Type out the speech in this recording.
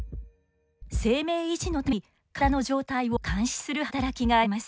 生命維持のために体の状態を監視する働きがあります。